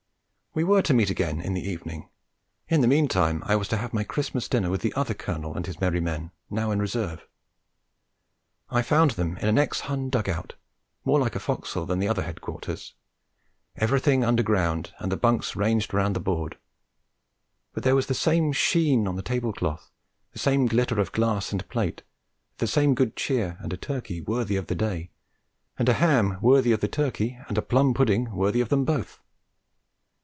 We were to meet again in the evening; in the meantime I was to have my Christmas dinner with the other Colonel and his merry men, now in reserve. I found them in an ex Hun dug out, more like a forecastle than the other headquarters; everything underground, and the bunks ranged round the board; but there was the same sheen on the table cloth, the same glitter of glass and plate, the same good cheer and a turkey worthy of the day, and a ham worthy of the turkey, and a plum pudding worthy of them both.